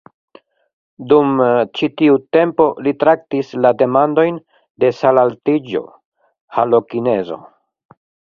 Dum ĉi tiu tempo li traktis la demandojn de salaltiĝo (halokinezo).